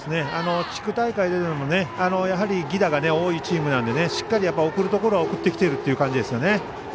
地区大会でも犠打が多いチームなのでしっかり送るところは送ってきているという感じですね。